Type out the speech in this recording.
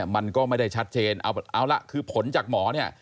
มันก็ไม่ได้ชัดเจนเอาละคือผลจากหมอเนี่ย